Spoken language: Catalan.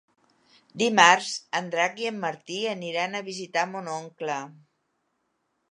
Dimarts en Drac i en Martí aniran a visitar mon oncle.